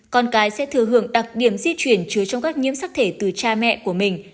con cái sẽ thừa hưởng đặc điểm di chuyển chứa trong các nhiễm sắc thể từ cha mẹ của mình